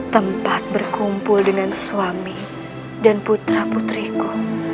tempat berkumpul dengan suami dan putra putriku